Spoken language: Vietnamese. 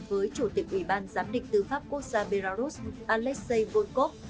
với chủ tịch ủy ban giám định tư pháp quốc gia belarus alexei volkov